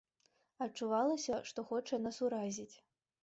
Адчувалася, што хоча нас уразіць.